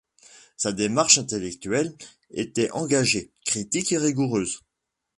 Sa démarche intellectuelle était engagée, critique et rigoureuse.